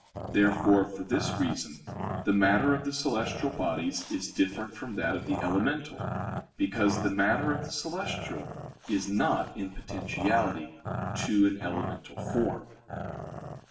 Therefore for this reason the matter of the celestial bodies is different from that of the elemental, because the matter of the celestial is not in potentiality to an elemental form.